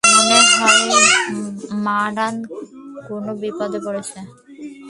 মনে হয় মারান কোনো বিপদে পড়েছে।